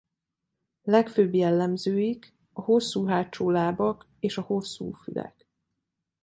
Legfőbb jellemzőik a hosszú hátsó lábak és a hosszú fülek.